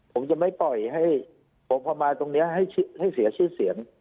ผมจะไม่ปล่อยให้ผมเข้ามาตรงนี้ให้เสียชื่อเสียง